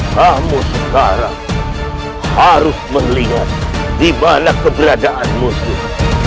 kamu sekarang harus melihat di mana keberadaan musuh